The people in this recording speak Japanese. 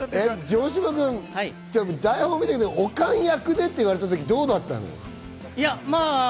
城島君、台本見た時オカン役でって言われた時、どうだったの？